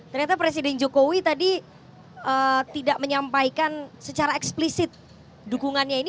ternyata presiden jokowi tadi tidak menyampaikan secara eksplisit dukungannya ini